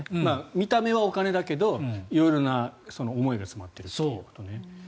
見た目はお金だけど色々な思いが詰まっているということね。